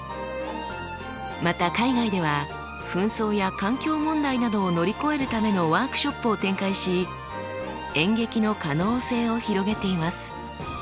また海外では紛争や環境問題などを乗り越えるためのワークショップを展開し演劇の可能性を広げています。